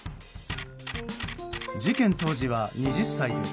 事件当時は２０歳で